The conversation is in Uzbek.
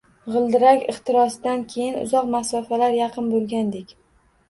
G‘ildirak ixtirosidan keyin uzoq masofalar yaqin bo‘lganidek